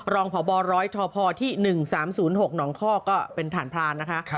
รองพบร้อยทพที่๑๓๐๖หนองคอกก็เป็นฐานพรานนะคะ